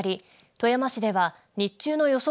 富山市では日中の予想